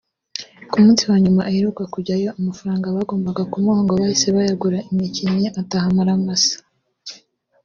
Ku munsi wa nyuma aheruka kujyayo amafaranga bagombaga kumuha ngo bahise bayagura umukinnyi ataha amaramasa